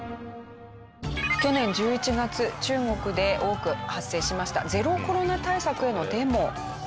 去年１１月中国で多く発生しましたゼロコロナ対策へのデモ。